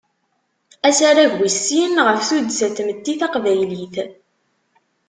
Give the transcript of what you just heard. Asarag wis sin ɣef tuddsa n tmetti taqbaylit.